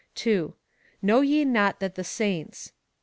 / 2. Know ye not that the saints.